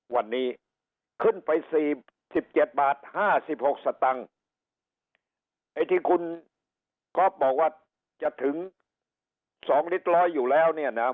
วันนี้ขึ้นไป๑๗บาท๕๖สตังค์ไอ้ที่คุณก็บอกว่าจะถึง๒ลิตรรอยอยู่แล้วเนี่ยนะ